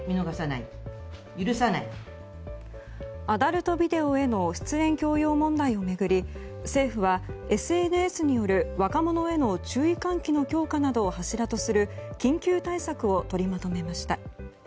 アダルトビデオへの出演強要問題を巡り政府は、ＳＮＳによる若者への注意喚起の強化などを柱とする緊急対策を取りまとめました。